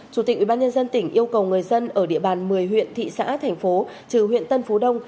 chủ tịch ubnd tỉnh yêu cầu người dân ở địa bàn một mươi huyện thị xã thành phố trừ huyện tân phú đông